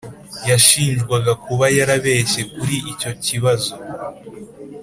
yashinjwaga kuba yarabeshye kuri icyo kibazo